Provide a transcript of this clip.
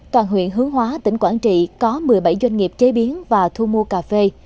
toàn huyện hướng hóa tỉnh quảng trị có một mươi bảy doanh nghiệp chế biến và thu mua cà phê